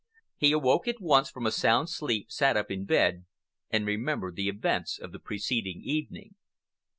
He awoke at once from a sound sleep, sat up in bed, and remembered the events of the preceding evening.